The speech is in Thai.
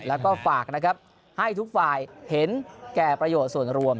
แล้วก็ฝากนะครับให้ทุกฝ่ายเห็นแก่ประโยชน์ส่วนรวม